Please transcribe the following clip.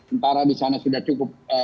tentara di sana sudah cukup